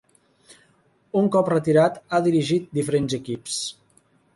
Un cop retirat ha dirigit diferents equips.